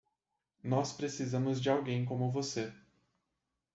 Nós precisamos de alguém como você.